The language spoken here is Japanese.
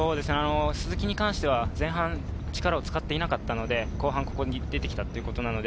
鈴木に関しては前半、力を使っていなかったので、後半ここで出てきました。